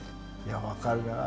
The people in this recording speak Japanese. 分かるなあ。